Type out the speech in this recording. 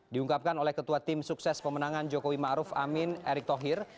diungkapkan oleh ketua tim sukses pemenangan jokowi ma'ruf amin erick thohir